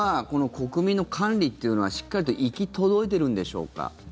国は国民の管理というのはしっかりと行き届いているんでしょうか。